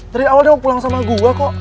dari awal dia mau pulang sama gue kok